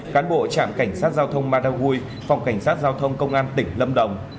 cán bộ trạm cảnh sát giao thông madagui phòng cảnh sát giao thông công an tỉnh lâm đồng